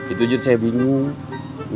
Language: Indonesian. itu juga saya bingung